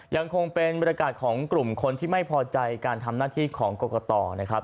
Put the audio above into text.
ยังคงเป็นบรรยากาศของกลุ่มคนที่ไม่พอใจการทำหน้าที่ของกรกตนะครับ